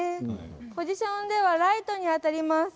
ポジションではライトに当たります。